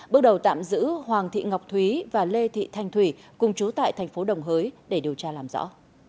bước đầu tạm giữ hoàng thị ngọc thúy và lê thị thanh thủy cùng chú tại thành phố đồng hới để điều tra làm rõ